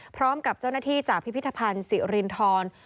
พร้อมกับเจ้าหน้าที่จากพิพิธภัณฑ์สิรินทร